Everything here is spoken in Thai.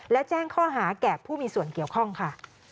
และแจ้งข้อหาแก่ผู้มีส่วนเกี่ยวข้องค่ะ